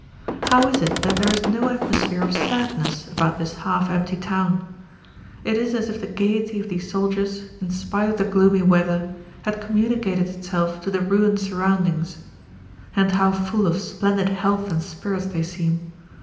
How is it that there is no atmosphere of sadness about this half empty town? It is as if the gaiety of these soldiers, in spite of the gloomy weather, had communicated itself to the ruined surroundings. And how full of splendid health and spirits they seem!